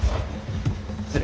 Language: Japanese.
失礼。